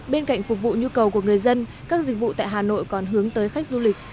bên cạnh phục vụ nhu cầu của người dân các dịch vụ tại hà nội còn hướng tới khách du lịch